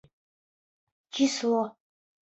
Число